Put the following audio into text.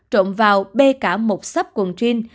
trộm vào bê cả một sắp quần jean